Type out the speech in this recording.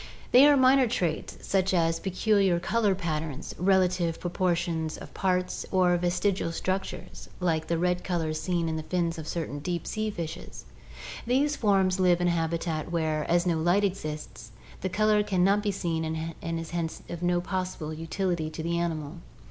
They are minor traits such as pecu H2 ORGANIC EVOLUTION liar color patterns, relative proportions of parts, or vestigial struc tures, like the red color seen in the fins of certain deep sea fishes. These forms live in a habitat where, as no light exists, the color can not be seen and hence is of no possible utility to the animal.